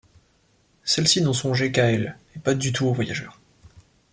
Celles-ci n’ont songé qu’à elles, et pas du tout aux voyageurs.